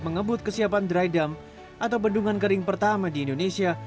mengebut kesiapan dry dump atau bendungan kering pertama di indonesia